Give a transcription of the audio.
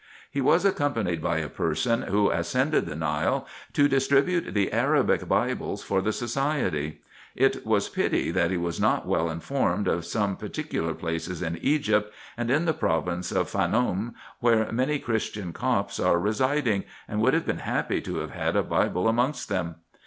He was accompanied by a person who ascended the Nile to distribute the Arabic Bibles for the society. It was pity that he was not well informed of some particular places in Egypt, and in the province of Faioum, where many christian Copts are residing, and would have been happy to have had a Bible amongst them.